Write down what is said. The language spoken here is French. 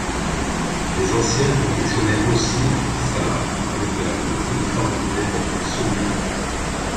Les anciens confectionnaient aussi du pissalat avec de la poutine fermentée dans une saumure.